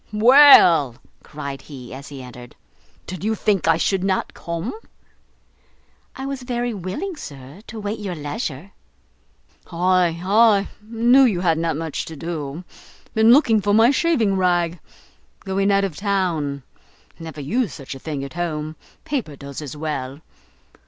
"Well," cried he, as he entered, "did you think I should not come?" "I was very willing, sir, to wait your leisure." "Ay, ay, knew you had not much to do. Been looking for my shaving rag. Going out of town; never use such a thing at home, paper does as well.